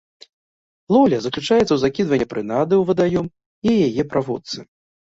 Лоўля заключаецца ў закідванні прынады ў вадаём і яе праводцы.